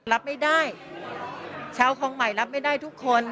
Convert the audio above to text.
รับไม่ได้ชาวคลองใหม่รับไม่ได้ทุกคน